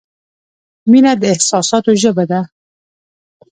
• مینه د احساساتو ژبه ده.